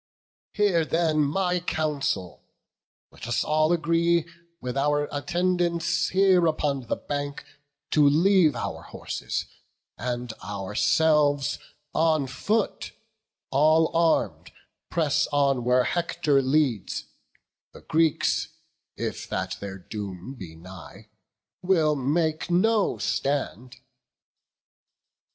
Hear then my counsel; let us all agree With our attendants here upon the bank To leave our horses; and ourselves on foot, All arm'd, press on where Hector leads; the Greeks, If that their doom be nigh, will make no stand."